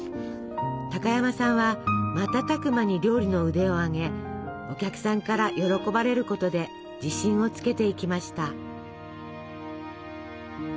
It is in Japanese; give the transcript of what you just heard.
高山さんは瞬く間に料理の腕を上げお客さんから喜ばれることで自信をつけていきました。